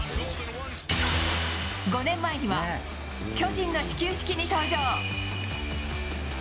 ５年前には、巨人の始球式に登場。